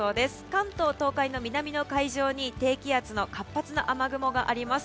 関東・東海の南の海上に低気圧の活発な雨雲があります。